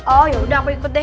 oh yaudah aku ikut deh